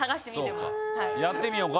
やってみようか。